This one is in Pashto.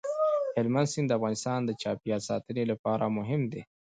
هلمند سیند د افغانستان د چاپیریال ساتنې لپاره مهم دی.